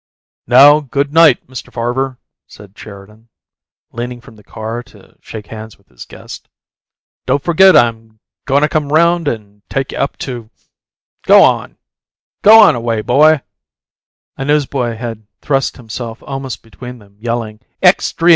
"Now, good night, Mr. Farver," said Sheridan, leaning from the car to shake hands with his guest. "Don't forget I'm goin' to come around and take you up to Go on away, boy!" A newsboy had thrust himself almost between them, yelling, "Extry!